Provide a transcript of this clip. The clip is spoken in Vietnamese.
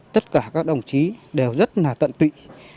tất cả các đồng chí đều rất là tận tụy